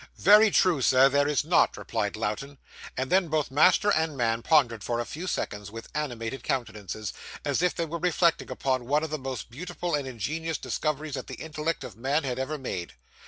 'Very true, Sir, there is not,' replied Lowten; and then, both master and man pondered for a few seconds, with animated countenances, as if they were reflecting upon one of the most beautiful and ingenious discoveries that the intellect of man had ever made.